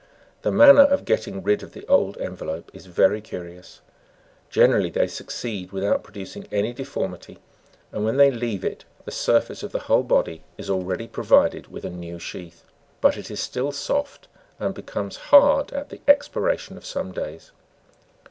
The manner of getting rid of the old envelope is very curious. Generally they succeed without producing any deformity, and when they leave it, the surface of the whole body is already provided with a new sheath ; but it is still soft, and becomes hard at the expiration of some days.